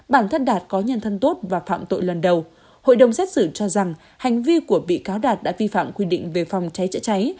bản thân đạt có nhân thân tốt và phạm tội lần đầu hội đồng xét xử cho rằng hành vi của bị cáo đạt đã vi phạm quy định về phòng cháy chữa cháy